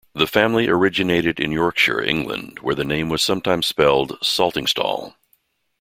The family originated in Yorkshire, England, where the name was sometimes spelled Saltingstall.